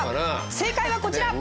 正解はこちら！